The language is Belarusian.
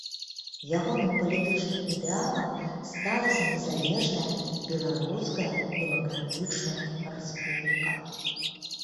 Ягоным палітычным ідэалам сталася незалежная Беларуская Дэмакратычная Рэспубліка.